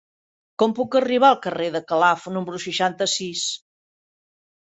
Com puc arribar al carrer de Calaf número seixanta-sis?